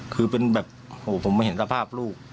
คือเป็นแบบโอ้โหผมไม่เห็นสภาพลูก